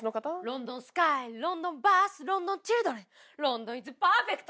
ロンドンスカイロンドンバスロンドンチルドレンロンドンイズパーフェクト！